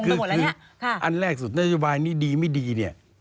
คืออันแรกสุดนโยบายนี้ดีไม่ดีเนี่ย